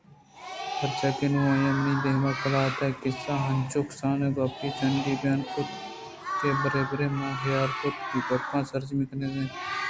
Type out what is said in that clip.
پرچاکہ نوں آئیءَ منی دیم ءَ قلات ءِ قِصّہ انچو کسان ءُکپی چنڈی بیان کُت اَنت کہ برے برے من حیال کُت کہ آگپ ءَ سرجمیءَجَنگءَنہ اِنت